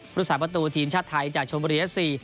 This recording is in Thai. รักษาประตูทีมชาติไทยจากชมบุรีเอฟซี